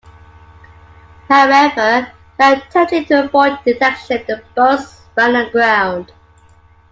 However, in attempting to avoid detection, the boats ran aground.